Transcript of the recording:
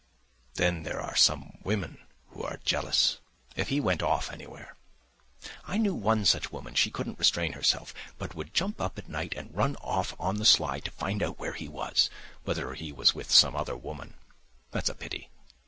Then there are some women who are jealous. If he went off anywhere—I knew one such woman, she couldn't restrain herself, but would jump up at night and run off on the sly to find out where he was, whether he was with some other woman. That's a pity.